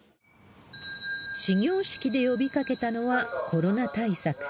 始業式で呼びかけたのは、コロナ対策。